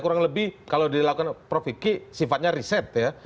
kurang lebih kalau dilakukan prof vicky sifatnya riset ya